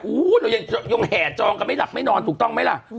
เรายังแห่จองกันไม่หลับไม่นอนถูกต้องไหมล่ะ